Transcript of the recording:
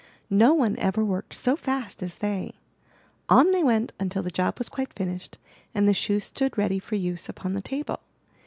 No one ever worked so fast as they. On they went until the job was quite finished and the shoes stood ready for use upon the table.